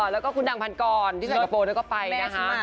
แล้วก็คุณดังพันกรที่สิงคโปร์ด้วยก็ไปนะคะ